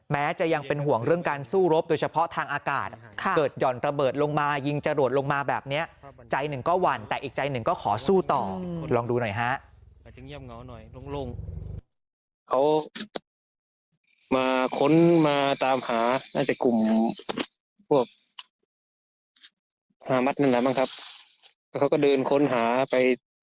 แม้จะยังเป็นห่วงเรื่องการสู้รบโดยเฉพาะทางอากาศเกิดห่อนระเบิดลงมายิงจรวดลงมาแบบนี้ใจหนึ่งก็หวั่นแต่อีกใจหนึ่งก็ขอสู้ต่อลองดูหน่อยฮะ